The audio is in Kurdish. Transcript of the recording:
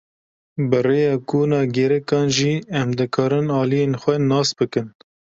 Bi rêya kuna gêrîkan jî em dikarin aliyên xwe nas bikin.